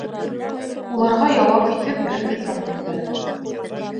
Уларға яуап итеп бер миҫал килтерәм.